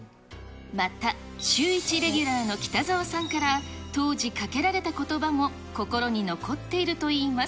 またシューイチレギュラーの北澤さんから、当時、かけられたことばも心に残っているといいます。